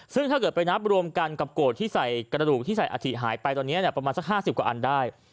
ซึ่งถ้าเกิดไปนับรวมกันกับโกรธที่ใส่กระดูกที่ใส่อาธิหายไปตอนนี้ประมาณสัก๕๐กว่าอันได้